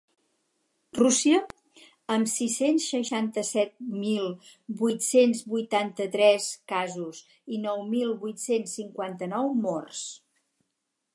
Rússia, amb sis-cents seixanta-set mil vuit-cents vuitanta-tres casos i nou mil vuit-cents cinquanta-nou morts.